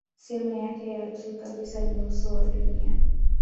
Sehemu yake ya juu kabisa ni uso wa dunia.